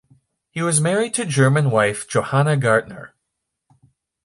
He was married to German wife Johanna Gaertner.